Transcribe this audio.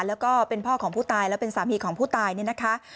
แล้วก็เป็นพ่อของผู้ตายและเป็นสามีของผู้ตายเนี่ยนะคะ